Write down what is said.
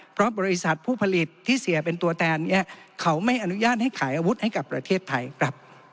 เพราะบริษัทผู้ผลิตที่เสียเป็นตัวแทนเนี่ยเขาไม่อนุญาตให้ขายอาวุธให้กับประเทศไทยครับ